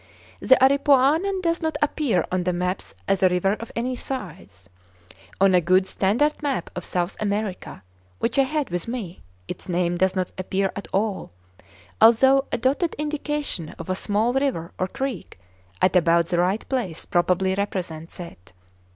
The Aripuanan does not appear on the maps as a river of any size; on a good standard map of South America which I had with me its name does not appear at all, although a dotted indication of a small river or creek at about the right place probably represents it.